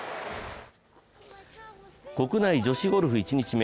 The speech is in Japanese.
国内女子ゴルフ、１日目。